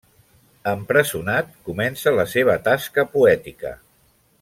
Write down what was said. Empresonat, comença la seva tasca poètica.